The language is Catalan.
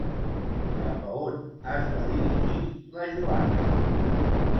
Cap a on es va dirigir la Joana?